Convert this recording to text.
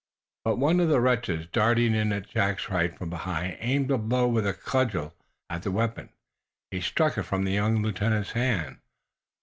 But one of the wretches, darting in at Jack's right, from behind, aimed a blow with a cudgel at the weapon. He struck it from the young lieutenant's hand.